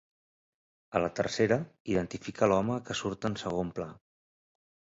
A la tercera, identifica l'home que surt en segon pla.